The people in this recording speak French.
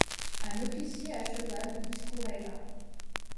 Un officier à cheval discourait là.